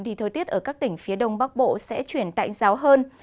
thì thời tiết ở các tỉnh phía đông bắc bộ sẽ chuyển tạnh giáo hơn